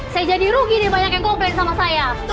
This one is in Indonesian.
saya jadi rugi nih banyak yang komplain sama saya